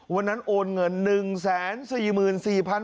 วันนั้นโอนเงิน